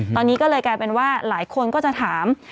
ตอนนี้ก็เลยกลายเป็นว่าหลายคนก็จะถาม